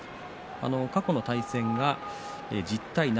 過去の対戦が１０対７。